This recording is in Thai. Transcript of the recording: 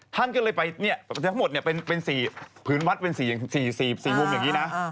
ท่านก็เลยไปเนี่ยทั้งหมดเนี่ยเป็น๔พื้นวัดเป็น๔มุมอย่างนี้นะ